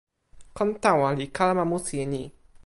kon tawa li kalama musi e ni.